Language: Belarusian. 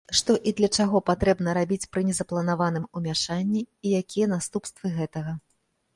Што і для чаго патрэбна рабіць пры незапланаваным умяшанні, і якія наступствы гэтага.